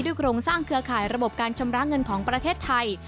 โครงสร้างเครือข่ายระบบการชำระเงินของประเทศไทย